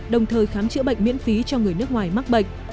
đồng thời khám chữa bệnh miễn phí cho người nước ngoài mắc bệnh